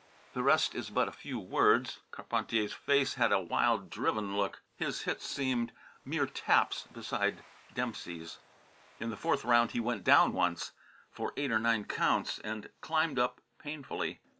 The rest is but a few words. Carpentier's face had a wild, driven look. His hits seemed mere taps beside Dempsey's. In the fourth round he went down once, for eight or nine counts, and climbed up painfully.